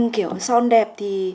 kiểu son đẹp thì